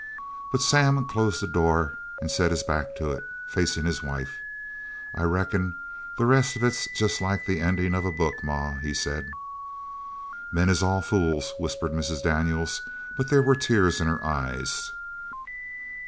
But Sam closed the door and set his back to it, facing his wife. "I reckon the rest of it's jest like the endin' of a book, ma," he said. "Men is all fools!" whispered Mrs. Daniels, but there were tears in her eyes.